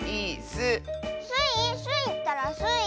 スイスイったらスイ！